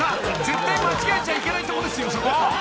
絶対間違えちゃいけないとこですよそこ］